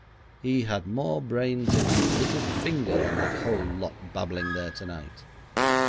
He had more brains in his little finger than that whole lot babbling there tonight.